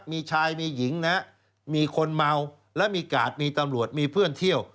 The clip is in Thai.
มีชายมีหญิงนะมีคนเมาและมีกาดมีตำรวจมีเพื่อนเที่ยว